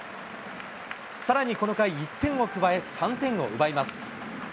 さらにこの回、１点を加え、３点を奪います。